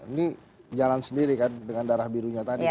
ini jalan sendiri kan dengan darah birunya tadi